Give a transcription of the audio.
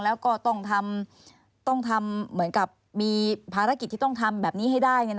แล้วก็ต้องทำเหมือนกับมีภารกิจที่ต้องทำแบบนี้ให้ได้